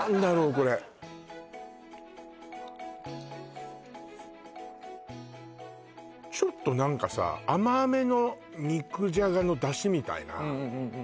これちょっと何かさ甘めの肉じゃがの出汁みたいなうんうん